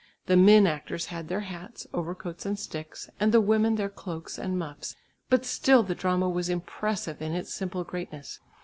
The men actors had their hats, overcoats and sticks, and the women their cloaks and muffs, but still the drama was impressive in its simple greatness.